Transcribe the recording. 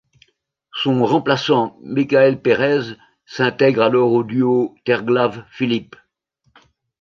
Son remplaçant Mickaël Pérez s'intègre alors au duo Terglav-Filip.